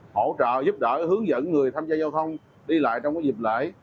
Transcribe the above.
hỗ trợ giúp đỡ hướng dẫn người tham gia giao thông đi lại trong dịp lễ